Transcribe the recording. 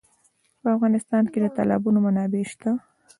په افغانستان کې د تالابونه منابع شته.